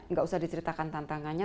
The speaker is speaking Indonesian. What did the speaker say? tidak usah diceritakan tantangannya